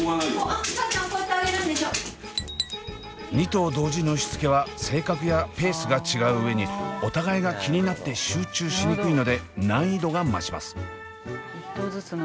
２頭同時のしつけは性格やペースが違う上にお互いが気になって集中しにくいので難易度が増します。